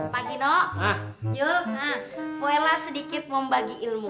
poela sedikit mau bagi ilmu